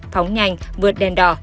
phóng nhanh vượt đèn đỏ